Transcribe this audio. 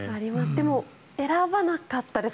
でも、選ばなかったです